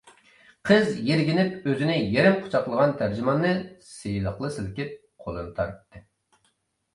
قىز يىرگىنىپ ئۆزىنى يېرىم قۇچاقلىغان تەرجىماننى سىلىقلا سىلكىپ قولىنى تارتتى.